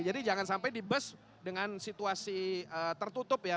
jadi jangan sampai di bus dengan situasi tertutup ya